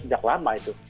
sejak lama itu